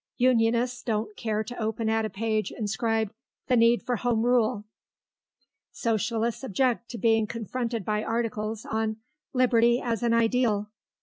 Unionists don't care to open at a page inscribed 'The Need for Home Rule.' Socialists object to being confronted by articles on 'Liberty as an Ideal.